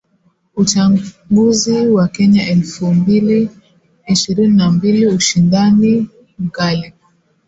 Uchaguzi wa Kenya elfu mbili ishirini na mbili : ushindani mkali